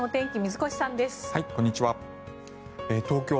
こんにちは。